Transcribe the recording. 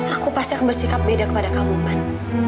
aku pasti akan bersikap beda kepada kamu ban